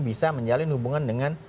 bisa menjalin hubungan dengan